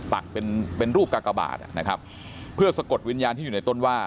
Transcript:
ปักเป็นเป็นรูปกากบาทนะครับเพื่อสะกดวิญญาณที่อยู่ในต้นว่า